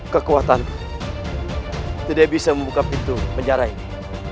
kekuatanku tidak bisa membuka pintu penjara ini